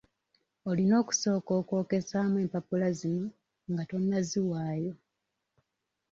Olina okusooka okwokesaamu empapula zino nga tonnaziwaayo.